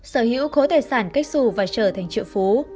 sở hữu khối tài sản kết xù và trở thành triệu phú